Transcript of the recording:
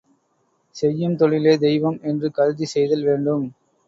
செய்யும் தொழிலே தெய்வம் என்று கருதிச் செய்தல் வேண்டும்.